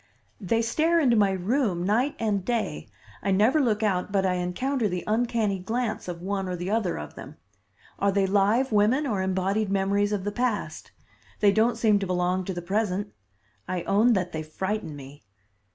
"They stare into my room night and day. I never look out but I encounter the uncanny glance of one or the other of them. Are they live women or embodied memories of the past? They don't seem to belong to the present. I own that they frighten me."